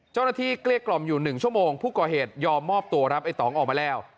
เกลี้ยกล่อมอยู่๑ชั่วโมงผู้ก่อเหตุยอมมอบตัวครับไอ้ตองออกมาแล้ว